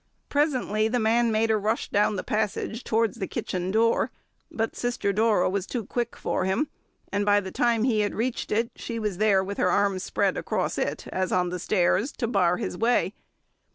Presently the man made a rush down the passage towards the kitchen door, but Sister Dora was too quick for him, and by the time he had reached it she was there with her arms spread across it, as on the stairs, to bar his way.